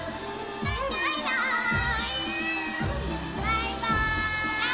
バイバーイ！